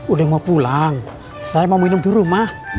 udah mau pulang saya mau minum dulu mah